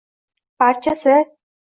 Barchasi…